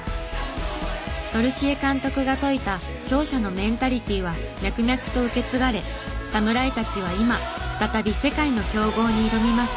トルシエ監督が説いた勝者のメンタリティーは脈々と受け継がれ侍たちは今再び世界の強豪に挑みます。